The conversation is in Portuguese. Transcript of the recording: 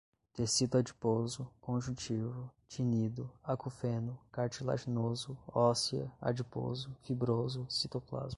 tecido adiposo, conjuntivo, tinido, acufeno, cartilaginoso, óssea, adiposo, fibroso, citoplasma